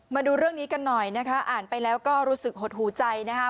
มาดูเรื่องนี้กันหน่อยนะคะอ่านไปแล้วก็รู้สึกหดหูใจนะคะ